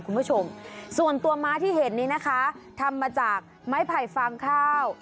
คุณผู้ชมส่วนตัวม้าที่เห็นนี้นะคะทำมาจากไม้ไผ่ฟางข้าว